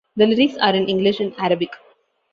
The lyrics are in English and Arabic.